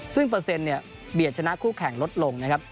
ซึ่งเปอร์เซ็นต์เนี่ยเบียดชนะคู่แข่งลดลงนะครับ